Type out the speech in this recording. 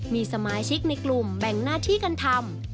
มีสมาชิกในกลุ่มแบ่งหน้าที่กันทำ